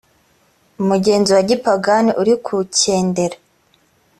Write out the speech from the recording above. umugenzo wa gipagani urigukendera.